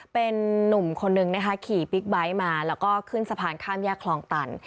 เป็นนุ่มคนนึงนะคะขี่บิ๊กไบท์มาแล้วก็ขึ้นสะพานข้ามแยกคลองตัน